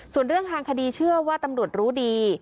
ส่วนเรื่องทางคดีเชื่อว่าตำรวจรู้ดี